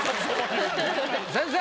先生！